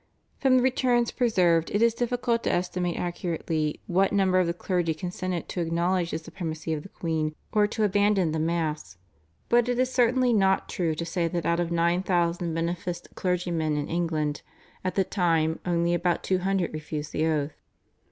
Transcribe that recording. From the returns preserved it is difficult to estimate accurately what number of the clergy consented to acknowledge the supremacy of the queen or to abandon the Mass, but it is certainly not true to say that out of 9,000 beneficed clergymen in England at the time only about 200 refused the oath.